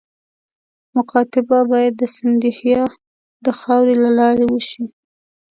مکاتبه باید د سیندهیا د خاوري له لارې وشي.